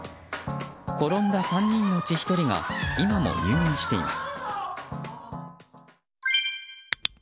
転んだ３人のうち１人が今も入院しています。